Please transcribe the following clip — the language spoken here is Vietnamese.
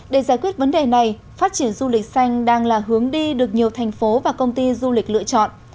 để giải quyết vấn đề này phát triển du lịch xanh đang là hướng đi được nhiều thành phố và công ty du lịch lựa chọn